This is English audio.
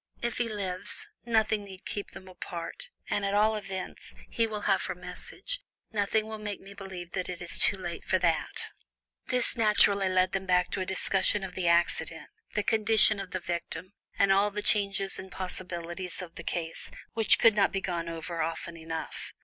If he lives, nothing need keep them apart, and at all events, he will have her message. Nothing will make me believe that it is too late for that." This naturally led them back to a discussion of the accident, the condition of the victim, and all the chances and possibilities of the case, which could not be gone over often enough.